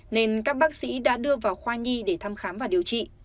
nên các bác sĩ đã đưa vào khoa nhi để thăm khám và điều trị